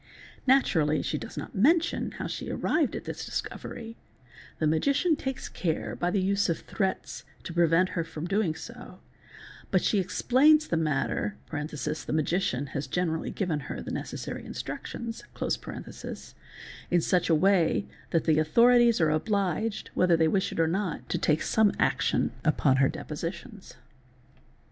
Naturally she does not mention how she has arrived at this discovery: the magician takes care, by the use of threats, to prevent her doing so, but she explains the matter (the magician has generally given her the necessary instructions) in such a way that the authorities are obliged, whether they wish it or not, to take some action — upon her depositions. or Figs.